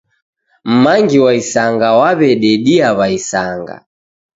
M'mangi wa isanga wawededia w'aisanga.